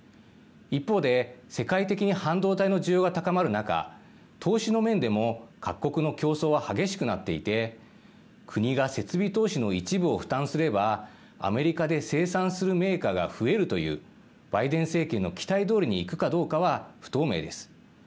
一方で、世界的に半導体の需要が高まる中投資の面でも各国の競争は激しくなっていて国が設備投資の一部を負担すればアメリカで生産するメーカーが増えるというバイデン政権の期待どおりにいくかどうかは不透明です。